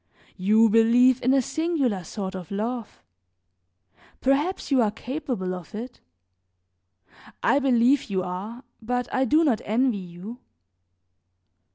You believe in a singular sort of love; perhaps you are capable of it; I believe you are, but I do not envy you.